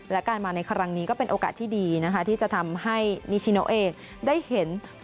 และการมาในครั้งนี้ก็เป็นโอกาสที่ดีนะคะที่จะทำให้นิชิโนเองได้เห็น